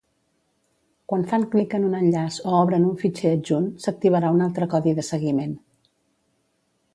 Quan fan clic en un enllaç o obren un fitxer adjunt, s'activarà un altre codi de seguiment.